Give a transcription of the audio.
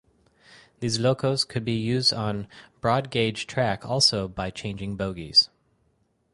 These locos could be use on broad gauge track also by changing bogies.